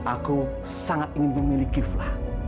aku sangat ingin memiliki vla